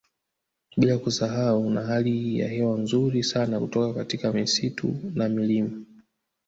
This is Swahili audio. Bila kusahau na hali ya hewa nzuri sana kutoka katika misitu na milima